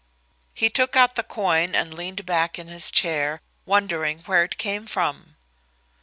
He took out the coin and leaned back in his chair, wondering where it came from.